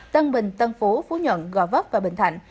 tân bình tân phú phú nhuận gò vấp và bình thạnh